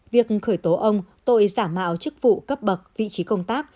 việc khởi tố ông tội giả mạo chức vụ cấp bậc vị trí công tác